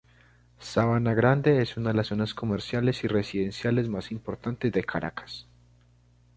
Sabana Grande es una de las zonas comerciales y residenciales más importantes de Caracas.